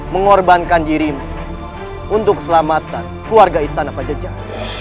mengorbankan dirimu untuk keselamatan keluarga istana pajajar